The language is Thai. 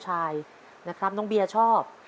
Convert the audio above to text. จิตตะสังวโรครับ